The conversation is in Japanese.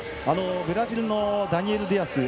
ブラジルのダニエル・ディアス。